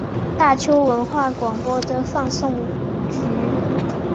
大邱文化广播的放送局。